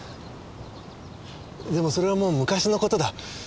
でもそれはもう昔の事だ。